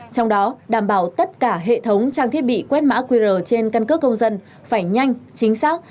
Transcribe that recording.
trong đó đảm bảo tất cả hệ thống trang thiết bị quét mã qr trên căn cước công dân phải nhanh chính xác